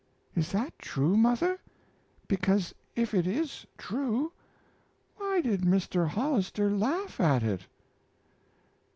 Is that true, mother because if it is true why did Mr. Hollister laugh at it?"